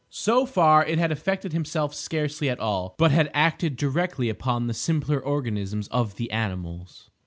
So far it had affected himself scarcely at all, but had acted directly upon the simpler organisms of the animals.